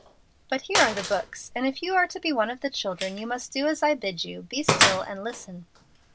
But here are the books, and if you are to be one of the children you must do as I bid you be still and listen."